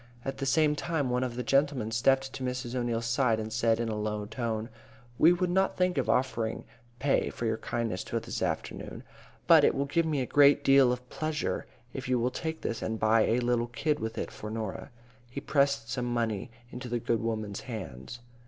At the same time one of the gentlemen stepped to Mrs. O'Neil's side and said in a low tone, "We would not think of offering pay for your kindness to us this afternoon, but it will give me a great deal of pleasure if you will take this and buy a little kid with it for Norah." He pressed some money into the good woman's hands.